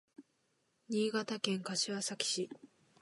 新潟県柏崎市